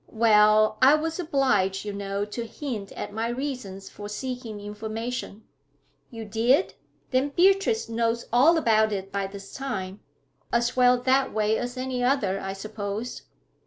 'Well, I was obliged, you know, to hint at my reasons for seeking information.' 'You did? Then Beatrice knows all about it by this time. As well that way as any other, I suppose.'